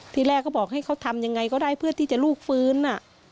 ที่แรกเขาบอกให้เขาทำยังไงก็ได้เพื่อที่จะลูกฟื้น